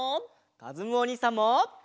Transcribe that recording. かずむおにいさんも。